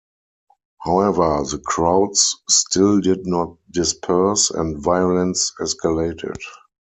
However, the crowds still did not disperse, and violence escalated.